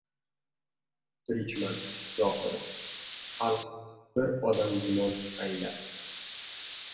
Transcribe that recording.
Tirikman zohirida, xalq bir odam gumon aylar...